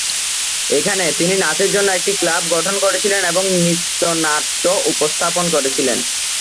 এখানে, তিনি নাচের জন্য একটি ক্লাব গঠন করেছিলেন এবং নৃত্য-নাট্য উপস্থাপন করেছিলেন।